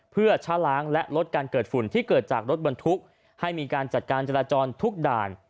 เพื่อชะล้างและลดการเกิดฝุ่นที่เกิดจากรถบรรทุกให้มีการจัดการจราจรทุกด่าน